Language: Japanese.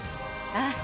ああ。